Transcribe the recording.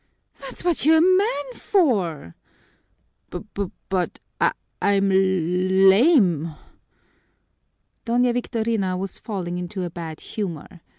"That's what you're a man for!" "B but, I'm l lame!" Doña Victorina was falling into a bad humor.